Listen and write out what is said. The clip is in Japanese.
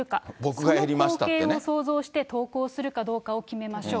その光景を想像して投稿するかどうかを決めましょう。